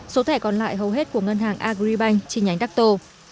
số thẻ còn lại hầu hết của ngân hàng agribank chi nhánh đắc tô